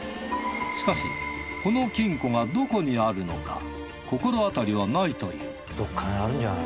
しかしこの金庫がどこにあるのか心当たりはないという。